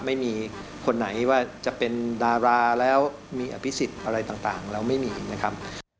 ไม่มีคนไหนว่าจะเป็นดาราแล้วมีอภิษฎอะไรต่างเราไม่มีนะครับ